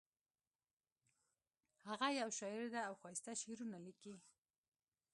هغه یو شاعر ده او ښایسته شعرونه لیکي